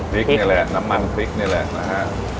นี่แหละน้ำมันพริกนี่แหละนะฮะ